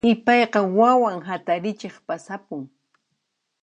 Ipayqa wawan hatarichiq pasapun.